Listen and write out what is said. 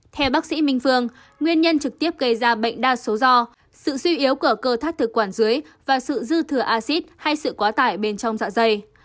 theo bác sĩ minh phương nguyên nhân trực tiếp gây ra bệnh đa số do sự suy yếu của cơ thắt thực quản dưới và sự dư thừa acid hay sự quá tải bên trong dạ dày